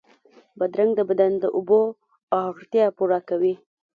بادرنګ د بدن د اوبو اړتیا پوره کوي.